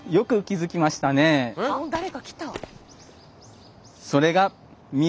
誰か来た！